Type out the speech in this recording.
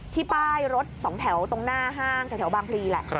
ป้ายรถสองแถวตรงหน้าห้างแถวบางพลีแหละ